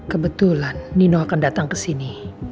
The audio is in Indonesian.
kebetulan nino akan datang ke sini